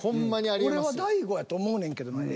俺は大悟やと思うねんけどなＡ。